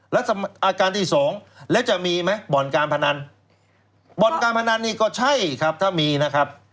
แล้วอาการที่สองแล้วจะมีไหมบ่อนการพนันบ่อนการพนันนี่ก็ใช่ครับถ้ามีนะครับ